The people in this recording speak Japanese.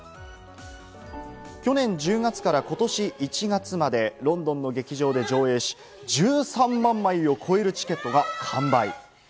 去年１０月から今年１月までロンドの劇場で上映し、１３万枚を超えるチケットが完売。